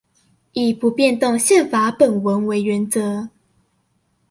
以不變動憲法本文為原則